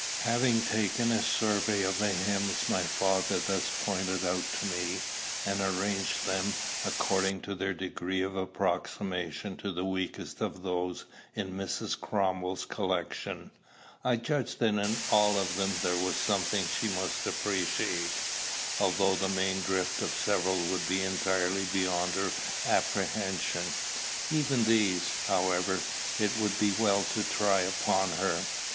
Having taken a survey of the hymns my father thus pointed out to me, and arranged them according to their degrees of approximation to the weakest of those in Mrs. Cromwell's collection, I judged that in all of them there was something she must appreciate, although the main drift of several would be entirely beyond her apprehension. Even these, however, it would be well to try upon her.